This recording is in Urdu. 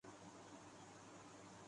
پن ین کی چھٹنی کی ترتیب